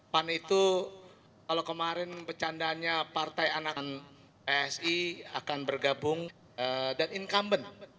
pan itu kalau kemarin pecandaannya partai anak psi akan bergabung dan incumbent